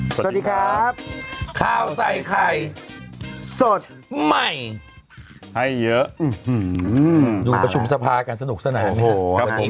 สวัสดีครับข้าวใส่ไข่สดใหม่ให้เยอะดูประชุมสภากันสนุกสนาน